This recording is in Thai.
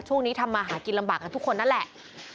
ช่วงนี้ทำมาหากินลำบากกับทุกคนนั่นแหละ